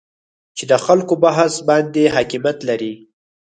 چې د خلکو بحث باندې حاکمیت لري